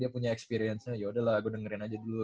dia punya experience nya yaudahlah aku dengerin aja dulu